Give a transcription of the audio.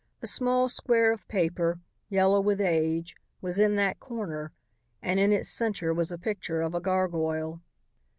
A small square of paper, yellow with age, was in that corner, and in its center was a picture of a gargoyle.